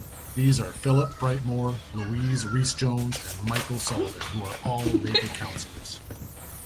These are Phillip Brightmore, Louise Reecejones and Michael Sullivan, who are all Labour councillors.